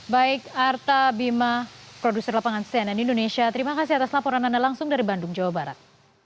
baik arta bima produser lapangan cnn indonesia terima kasih atas laporan anda langsung dari bandung jawa barat